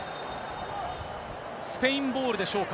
スペインボールでしょうか。